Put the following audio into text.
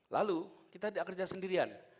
lalu kita kerja sendirian